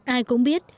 ai cũng biết